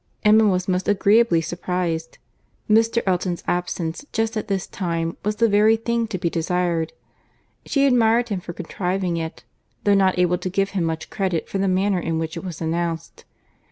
Emma was most agreeably surprized.—Mr. Elton's absence just at this time was the very thing to be desired. She admired him for contriving it, though not able to give him much credit for the manner in which it was announced.